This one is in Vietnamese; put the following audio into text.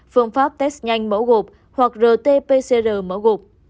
phương pháp test nhanh mẫu gộp hoặc rt pcr mở gộp